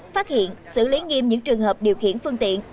phát hiện xử lý nghiêm những trường hợp điều khiển phương tiện